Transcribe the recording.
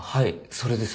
それです。